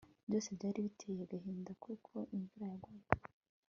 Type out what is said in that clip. byose byari biteye agahinda kuko imvura yagwaga